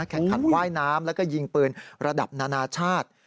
แข่งขันว่ายน้ำแล้วก็ยิงปืนระดับนานาชาติ